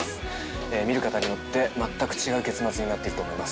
見る方によって全く違う結末になってると思います。